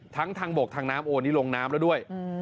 ทั้งทางบกทางน้ำโอ้นี่ลงน้ำแล้วด้วย